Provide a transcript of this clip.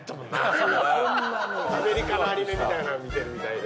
アメリカのアニメみたいなの見てるみたいで。